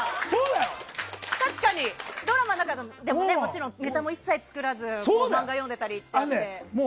確かに、ドラマの中でもネタも一切作らず漫画読んでたりしてね。